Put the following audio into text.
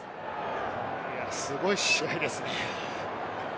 すごい試合ですね。